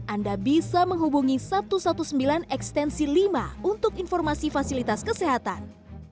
anda bisa menghubungi satu ratus sembilan belas ekstensi lima untuk informasi fasilitas kesehatan